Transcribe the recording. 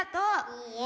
いいえ。